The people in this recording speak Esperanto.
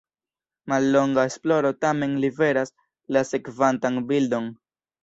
Mallonga esploro tamen liveras la sekvantan bildon.